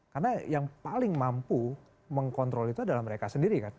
karena yang paling mampu mengkontrol itu adalah mereka sendiri kan